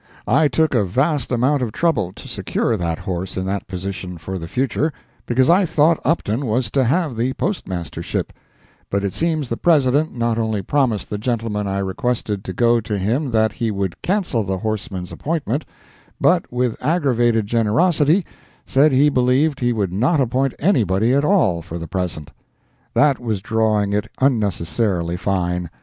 I took a vast amount of trouble to secure that horse in that position for the future, because I thought Upton was to have the Postmastership; but it seems the President not only promised the gentleman I requested to go to him that he would cancel the horse man's appointment, but with aggravated generosity said he believed he would not appoint anybody at all for the present. That was drawing it unnecessarily fine.